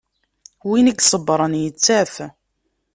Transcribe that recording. Win i iṣebbren yettaf.